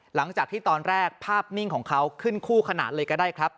หลังจากที่ตอนแรกภาพนิ่งของเขาขึ้นคู่ขนาดเลยก็ได้ครับ